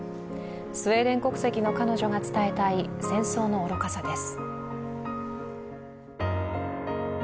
スウェーデン国籍の彼女が伝えたい、戦争の愚かさです。